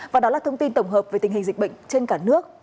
và đó là thông tin tổng hợp về tình hình dịch bệnh trên cả nước